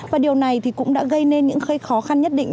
và điều này thì cũng đã gây nên những gây khó khăn nhất định